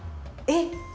えっ？